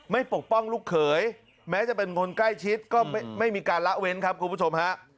ปกป้องลูกเขยแม้จะเป็นคนใกล้ชิดก็ไม่มีการละเว้นครับคุณผู้ชมฮะ